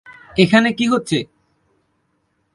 এখানে কি হচ্ছে?